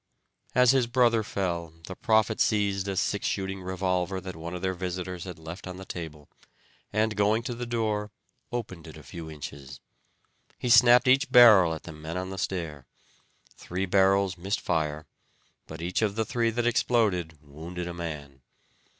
As his brother fell the prophet seized a six shooting revolver that one of their visitors had left on the table, and going to the door opened it a few inches. He snapped each barrel at the men on the stair; three barrels missed fire, but each of the three that exploded wounded a man.